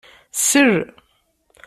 Sel.